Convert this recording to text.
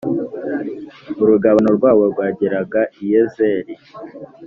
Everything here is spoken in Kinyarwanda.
Urugabano rwabo rwageraga i Yezereli